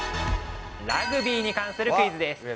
ラグビーに関するクイズです。